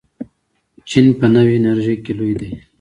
چین په نوې انرژۍ کې لوی دی.